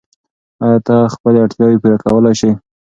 آیا ته خپلې اړتیاوې پوره کولای سې؟